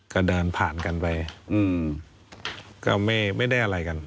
ก็เดินผ่านกันไปก็ไม่ได้อะไรกัน